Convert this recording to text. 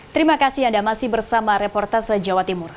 terima kasih anda masih bersama reporter se jawa timur